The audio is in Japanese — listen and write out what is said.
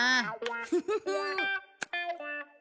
フフフッ！